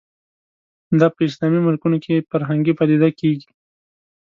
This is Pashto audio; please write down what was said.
دا په اسلامي ملکونو کې فرهنګي پدیده کېږي